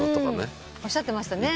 おっしゃってましたね。